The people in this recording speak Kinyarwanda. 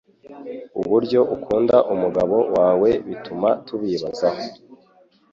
uburyo ukunda umugabo wawe bituma tubibazaho.